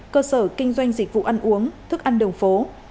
cơ sở kinh doanh dịch vụ ăn uống thức ăn đường phố